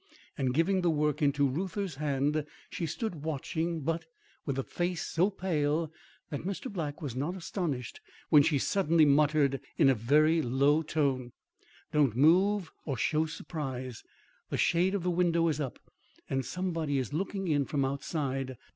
And, giving the work into Reuther's hand, she stood watching, but with a face so pale that Mr. Black was not astonished when she suddenly muttered in a very low tone: "Don't move or show surprise. The shade of the window is up, and somebody is looking in from outside.